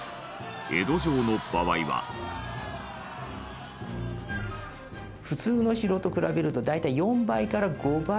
江戸城の場合は普通のお城と比べると大体４倍から５倍。